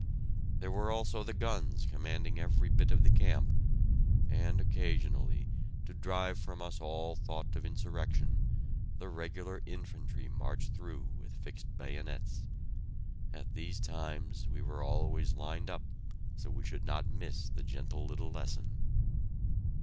There were also the guns commanding every bit of the camp, and occasionally, to drive from us all thought of insurrection, the Regular Infantry marched through with fixed bayonets. At these times we were always lined up so we should not miss the gentle little lesson!